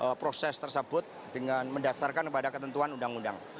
untuk proses tersebut dengan mendasarkan kepada ketentuan undang undang